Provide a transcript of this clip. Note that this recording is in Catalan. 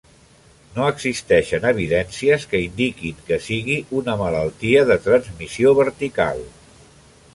No existeixen evidències que indiquin que sigui una malaltia de transmissió vertical.